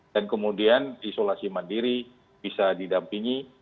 dan kemudian isolasi mandiri bisa didampingi